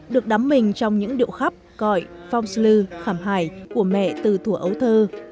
được đắm mình trong những điệu khắp cõi phong sư khảm hải của mẹ từ thùa ấu thơ